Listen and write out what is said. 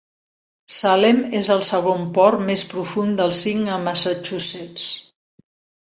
Salem és el segon port més profund dels cinc a Massachusetts.